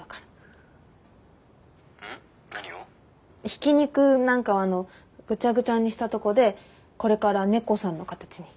ひき肉なんかをあのぐちゃぐちゃにしたとこでこれから猫さんの形に。